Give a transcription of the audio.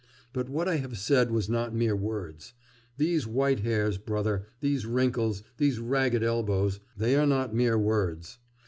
But what I have said was not mere words. These white hairs, brother, these wrinkles, these ragged elbows they are not mere words.